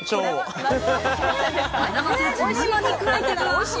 おいしい！